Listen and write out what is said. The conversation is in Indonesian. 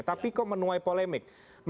tapi kok menuai polemik